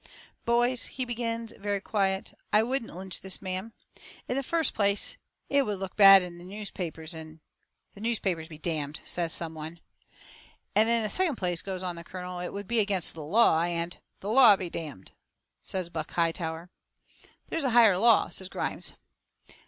"Boys," he begins very quiet, "I wouldn't lynch this man. In the first place it will look bad in the newspapers, and " "The newspapers be d d!" says some one. "And in the second place," goes on the colonel, "it would be against the law, and " "The law be d d!" says Buck Hightower. "There's a higher law!" says Grimes.